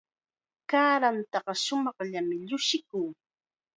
Kaaranta shumaqllam llushikun.